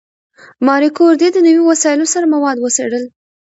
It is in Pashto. ماري کوري د نوي وسایلو سره مواد وڅېړل.